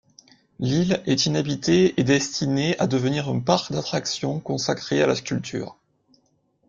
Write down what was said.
L'île est inhabitée et destinée à devenir un parc d'attractions consacré à la sculpture.